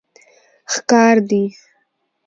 ښکار دي